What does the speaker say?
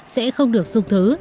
sẽ không được xung thứ